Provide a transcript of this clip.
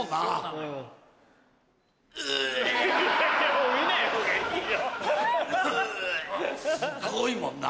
おぇすごいもんな。